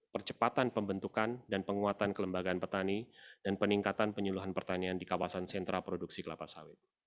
percepatan pembentukan dan peningkatan kemampuan swadaya